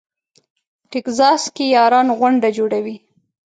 ټکزاس کې یاران غونډه جوړوي.